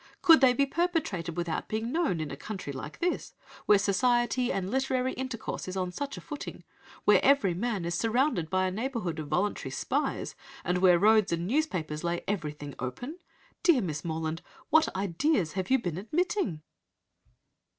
Could they be perpetrated without being known, in a country like this, where social and literary intercourse is on such a footing; where every man is surrounded by a neighbourhood of voluntary spies; and where roads and newspapers lay everything open? Dearest Miss Morland, what ideas have you been admitting?"